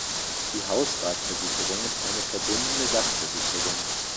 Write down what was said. Die Hausratversicherung ist eine verbundene Sachversicherung.